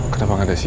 kenapa ada sinyal ya